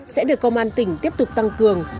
sẽ được công an tỉnh tiếp tục tăng cường